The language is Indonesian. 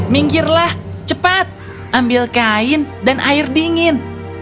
minggirlah cepat ambil kain dan air dingin